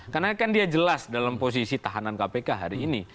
karena kan dia jelas dalam posisi tahanan kpk hari ini